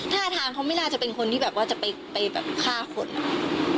ท่าทางเขาไม่น่าจะเป็นคนที่แบบว่าจะไปแบบฆ่าคนอะ